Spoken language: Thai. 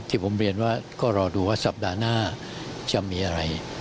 ที่ผมเรียนว่าก็รอดูว่าสัปดาห์หน้าจะมีอะไร